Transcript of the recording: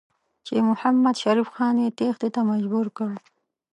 چې محمدشریف خان یې تېښتې ته مجبور کړ.